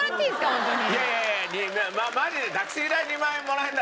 ホントに。